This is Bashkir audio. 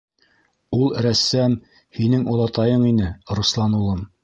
- Ул рәссам һинең олатайың ине, Руслан улым.